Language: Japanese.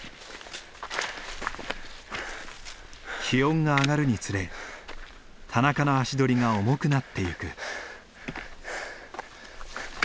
気温が上がるにつれ田中の足取りが重くなっていく。